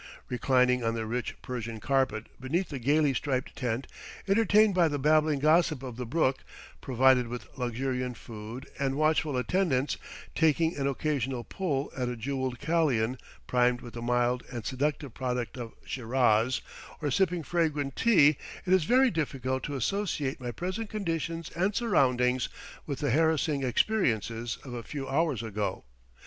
Reclining on the rich Persian carpet beneath the gayly striped tent, entertained by the babbling gossip of the brook, provided with luxuriant food and watchful attendants, taking an occasional pull at a jewelled kalian primed with the mild and seductive product of Shiraz, or sipping fragrant tea, it is very difficult to associate my present conditions and surroundings with the harassing experiences of a few hours ago.